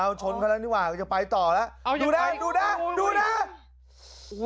อ้าวชนเขาแล้วนี่หว่าก็จะไปต่อแล้วอ้าวยังไปดูนะดูนะดูนะ